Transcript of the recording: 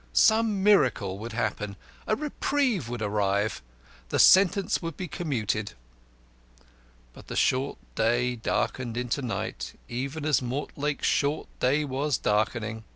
Some miracle would happen. A reprieve would arrive. The sentence would be commuted. But the short day darkened into night even as Mortlake's short day was darkening.